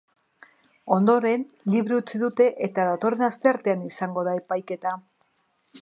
Ondoren, libre utzi dute eta datorren asteartean izango da epaiketa.